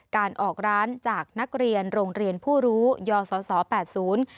การออกร้านจากนักเรียนโรงเรียนผู้รู้ยอสอแปดศูนย์